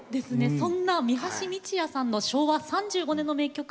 そんな三橋美智也さんの昭和３５年の名曲